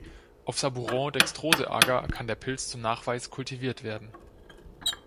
Auf Sabouraud-Dextrose-Aga kann der Pilz zum Nachweis kultiviert werden.